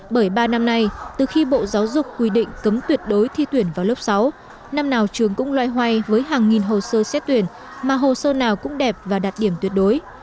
bởi ba năm nay từ khi bộ giáo dục quy định cấm tuyệt đối thi tuyển vào lớp sáu năm nào trường cũng loay hoay với hàng nghìn hồ sơ xét tuyển mà hồ sơ nào cũng đẹp và đạt điểm tuyệt đối